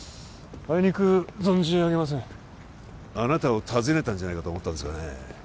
あいにく存じ上げませんあなたを訪ねたんじゃないかと思ったんですがね